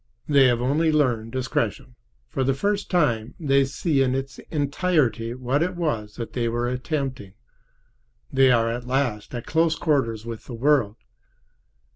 They have only learned discretion. For the first time they see in its entirety what it was that they were attempting. They are at last at close quarters with the world.